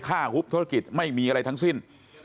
ฆ่าทุกธิภัยไม่มีอะไรทั้งสิ้น